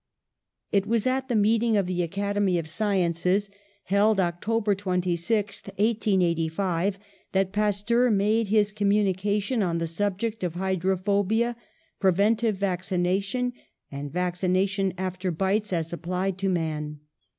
It was at the meeting of the Academy of Sci ences, held October 26th, 1885, that Pasteur made his communication on the subject of hy drophobia, preventive vaccination and vaccina tion after bites, as applied to men.